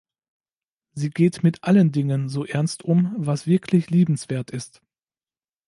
Sie geht mit allen Dingen so ernst um, was wirklich liebenswert ist.